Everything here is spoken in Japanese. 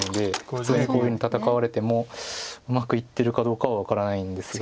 普通にこういうふうに戦われてもうまくいってるかどうかは分からないんですが。